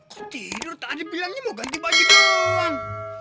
kok tidur tadi bilangnya mau ganti baju doang